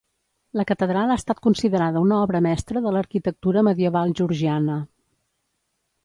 La catedral ha estat considerada una obra mestra de l'arquitectura medieval georgiana.